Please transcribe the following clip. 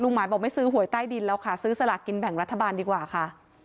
หมายบอกไม่ซื้อหวยใต้ดินแล้วค่ะซื้อสลากกินแบ่งรัฐบาลดีกว่าค่ะ